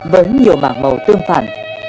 với nhiều mảng màu tương phản